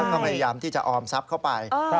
ก็พยายามที่จะออมทรัพย์เข้าไป